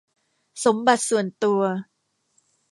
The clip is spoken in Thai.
สมบัติส่วนตัว